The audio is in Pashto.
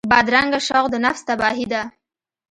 بدرنګه شوق د نفس تباهي ده